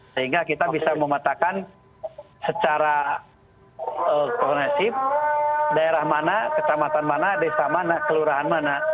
sehingga kita bisa mematakan secara kronisip daerah mana ketamatan mana desa mana kelurahan mana